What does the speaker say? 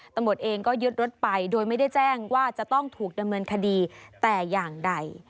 ตำรวจเองก็ยึดรถไปโดยไม่ได้แจ้งว่าจะต้องถูกดำเนินคดีแต่อย่างใด